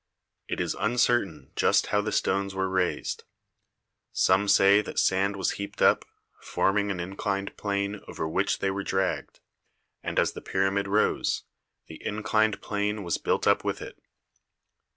It is uncertain just how the stones were raised. Some say that sand was heaped up, forming an inclined plane over which they were dragged, and as the pyramid rose, the inclined plane was built up with it.